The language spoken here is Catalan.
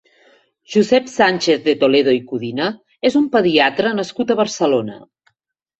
Josep Sánchez de Toledo i Codina és un pediatre nascut a Barcelona.